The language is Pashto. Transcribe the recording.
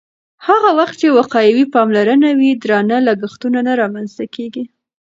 هغه وخت چې وقایوي پاملرنه وي، درانه لګښتونه نه رامنځته کېږي.